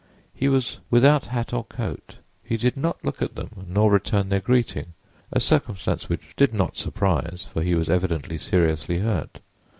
He was without hat or coat. He did not look at them, nor return their greeting, a circumstance which did not surprise, for he was evidently seriously hurt.